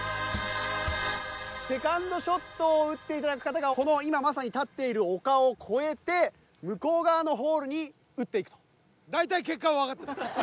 セカンドショットを打っていただく方がこの今まさに立っている丘を越えて向こう側のホールに打っていくと。